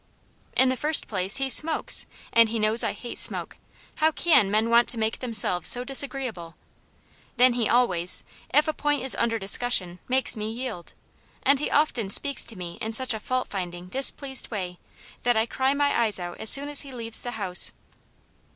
" In the first place, he smokes ; and he knows I hate smoke. How can men want to make them selves so disagreeable I Then he always, if a point is under discussion, makes me yield. And he often speaks to me in such a fault finding, displeased way, that I cry my eyes out as soon as he leaves the house."